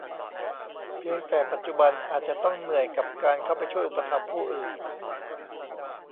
เพียงแต่ปัจจุบันอาจจะต้องเหนื่อยกับการเข้าไปช่วยอุปถัมภ์ผู้อื่น